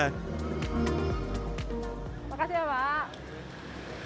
terima kasih pak